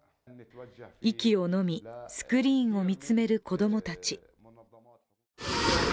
息をのみ、スクリーンを見つめる子供たち。